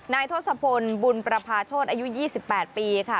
ทศพลบุญประพาโชธอายุ๒๘ปีค่ะ